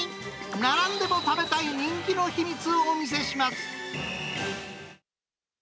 並んでも食べたい人気の秘密をお見せします。